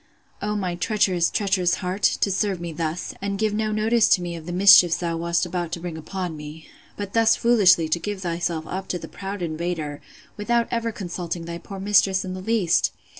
O my treacherous, treacherous heart! to serve me thus! and give no notice to me of the mischiefs thou wast about to bring upon me!—But thus foolishly to give thyself up to the proud invader, without ever consulting thy poor mistress in the least!